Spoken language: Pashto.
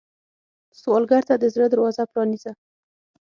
سوالګر ته د زړه دروازه پرانیزه